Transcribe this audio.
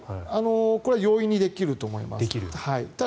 これ、容易にできると思います。